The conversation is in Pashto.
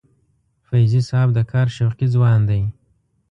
فیضي صاحب د کار شوقي ځوان دی.